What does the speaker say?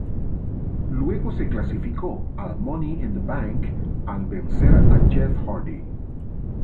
Luego se clasifico al Money in the Bank al vencer a Jeff Hardy.